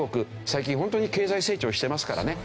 最近ホントに経済成長してますからね。